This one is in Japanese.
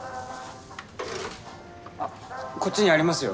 あっこっちにありますよ。